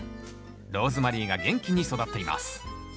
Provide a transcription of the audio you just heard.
ローズマリーが元気に育っています